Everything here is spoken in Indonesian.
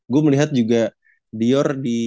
gue melihat juga dior